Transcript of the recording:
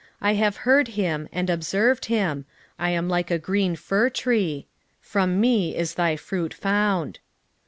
I have heard him, and observed him: I am like a green fir tree. From me is thy fruit found.